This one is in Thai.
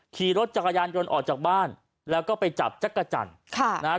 ขี่รถจักรยานยนต์ออกจากบ้านแล้วก็ไปจับจักรจันทร์ค่ะนะฮะ